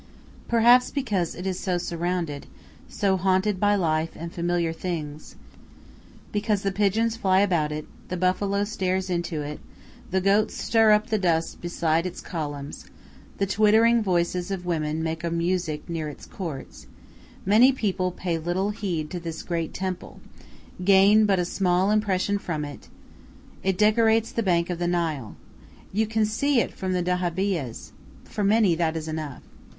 Perhaps because it is so surrounded, so haunted by life and familiar things, because the pigeons fly about it, the buffalo stares into it, the goats stir up the dust beside its columns, the twittering voices of women make a music near its courts, many people pay little heed to this great temple, gain but a small impression from it. It decorates the bank of the Nile. You can see it from the dahabiyehs. For many that is enough.